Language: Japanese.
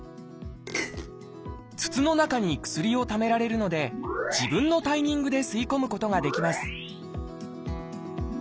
筒の中に薬をためられるので自分のタイミングで吸い込むことができます